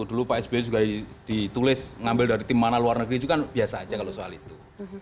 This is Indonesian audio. dulu pak sby juga ditulis ngambil dari tim mana luar negeri itu kan biasa aja kalau soal itu